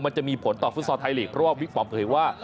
มันจะมีผลต่อฟุตซอลไทยลีกเพราะว่าบิ๊กปอมเผยว่า